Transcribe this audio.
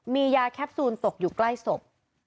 มียาแคปซูลตกอยู่ใกล้ศพ